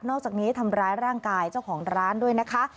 อกจากนี้ทำร้ายร่างกายเจ้าของร้านด้วยนะคะ